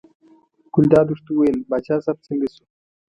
ګلداد ورته وویل باچا صاحب څنګه شو.